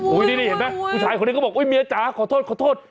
ผู้ชายคนนี้ก็บอกที่เมียจ๋าขอโทษ